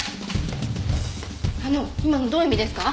あの今のどういう意味ですか？